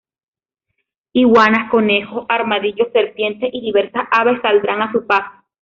Iguanas, conejos, armadillos, serpientes y diversas aves saldrán a su paso.